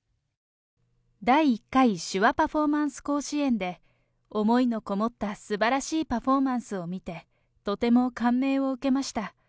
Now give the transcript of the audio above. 第１回手話パフォーマンス甲子園で、思いのこもったすばらしいパフォーマンスを見て、とても感銘を受けました。